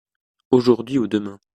Aujourd’hui ou demain.